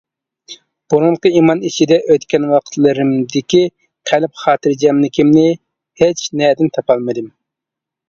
بۇرۇنقى ئىمان ئىچىدە ئۆتكەن ۋاقىتلىرىمدىكى قەلب خاتىرجەملىكىنى ھېچنەدىن تاپالمىدىم.